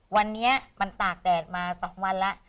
วันนี้มันตากแดดมา๒วันแล้ว